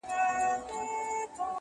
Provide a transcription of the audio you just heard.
،هغه دي اوس له ارمانونو سره لوبي کوي،